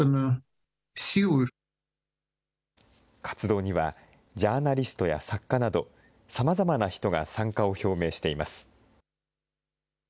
活動には、ジャーナリストや作家など、さまざまな人が参加を表明しています。